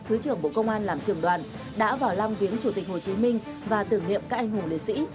thứ trưởng bộ công an làm trường đoàn đã vào lăng viếng chủ tịch hồ chí minh và tưởng niệm các anh hùng liệt sĩ